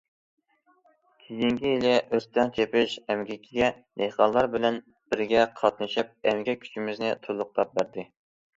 كېيىنكى يىلى ئۆستەڭ چېپىش ئەمگىكىگە دېھقانلار بىلەن بىرگە قاتنىشىپ، ئەمگەك كۈچىمىزنى تولۇقلاپ بەردى.